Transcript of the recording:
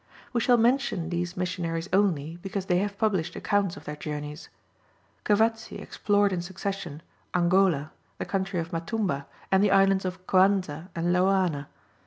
We shall mention these missionaries only, because they have published accounts of their journeys. Cavazzi explored in succession Angola, the country of Matumba, and the islands of Coanza and Loana.